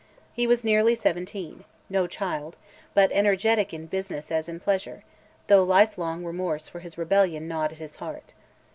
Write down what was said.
He was nearly seventeen, no child, but energetic in business as in pleasure, though lifelong remorse for his rebellion gnawed at his heart.